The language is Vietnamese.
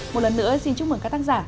một lần nữa xin chúc mừng các tác giả